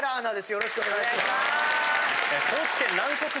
よろしくお願いします。